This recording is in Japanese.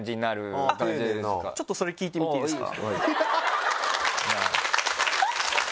ちょっとそれ聞いてみていいですか？